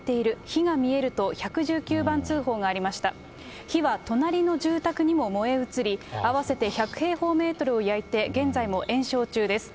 火は隣の住宅にも燃え移り、合わせて１００平方メートルを焼いて現在も延焼中です。